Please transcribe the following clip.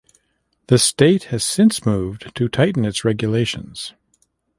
The state has since moved to tighten its regulations.